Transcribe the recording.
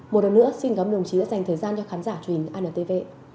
một lần nữa xin cảm ơn đồng chí đã dành thời gian cho khán giả truyền anntv